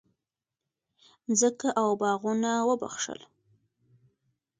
مځکه او باغونه وبخښل.